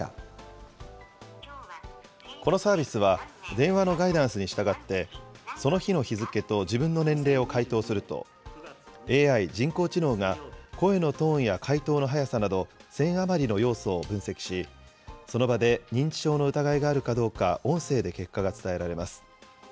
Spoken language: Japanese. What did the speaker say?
このサービスは電話のガイダンスに従って、その日の日付と自分の年齢を回答すると、ＡＩ・人工知能が声のトーンや回答の速さなど、１０００余りの要素を分析し、その場で認知症の疑いがあるかどうか音声で結果が伝えられます。